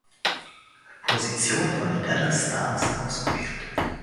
Position von den Dallas Stars ausgewählt.